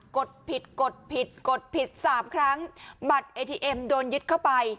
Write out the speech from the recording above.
ดผิดกดผิดกดผิดสามครั้งบัตรเอทีเอ็มโดนยึดเข้าไป